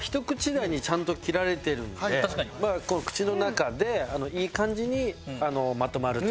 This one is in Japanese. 大にちゃんと切られてるので口の中でいい感じにまとまるという。